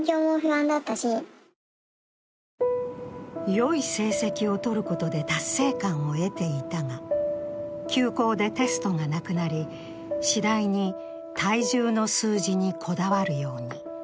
よい成績を取ることで達成感を得ていたが、休校でテストがなくなり、次第に体重の数字にこだわるように。